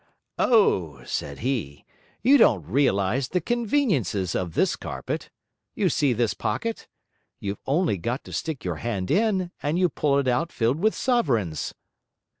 "O!" said he, "you don't realise the conveniences of this carpet. You see this pocket? you've only got to stick your hand in, and you pull it out filled with sovereigns."